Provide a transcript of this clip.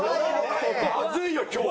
まずいよ今日！